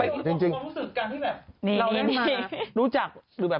ไม่ดูบรรมทรงความรู้สึกกันที่แบบ